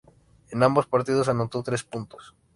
En ambos partidos anotó tres puntos.